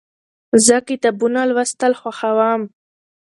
زه کتابونه لوستل خوښوم.